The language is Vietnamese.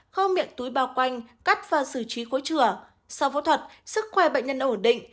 kho miệng túi bao quanh cắt và xử trí khối trở sau phẫu thuật sức khỏe bệnh nhân ổn định